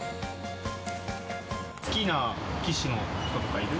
好きな棋士の方とかいる？